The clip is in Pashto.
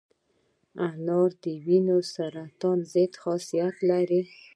انار د وینې سرطان ضد خاصیت لري.